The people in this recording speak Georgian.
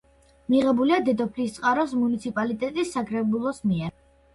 მიღებულია დედოფლისწყაროს მუნიციპალიტეტის საკრებულოს მიერ.